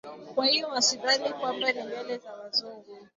kwa hiyo wasidhani kwamba ni nywele za wazungu